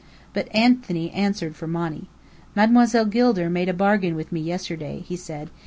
But Anthony answered for Monny. "Mademoiselle Gilder made a bargain with me yesterday," he said.